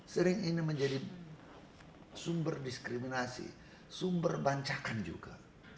sering ini menjadi sumber diskriminasi sumber bancakan juga